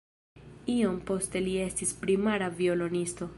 Iom poste li estis primara violonisto.